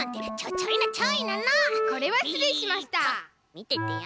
みててよ。